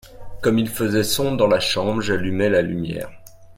comme il faisait sombre dans la chambre, j'allumai la lumière.